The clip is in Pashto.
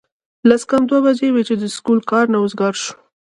لس کم دوه بجې وې چې د سکول کار نه اوزګار شو